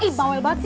ibaul banget sih